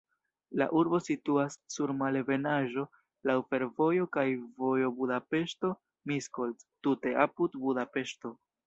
La urbo situas sur malebenaĵo, laŭ fervojo kaj vojo Budapeŝto-Miskolc, tute apud Budapeŝto.